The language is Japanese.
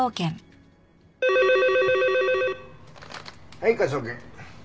はい科捜研。